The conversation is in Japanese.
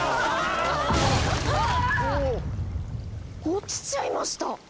落ちちゃいました！